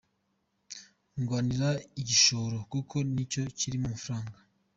Ndwanira igishoro kuko nicyo kirimo amafaranga.